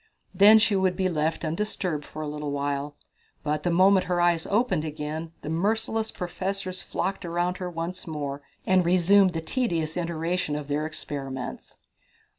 Then she would be left undisturbed for a little while, but the moment her eyes opened again the merciless professors flocked about her once more, and resumed the tedious iteration of their experiments.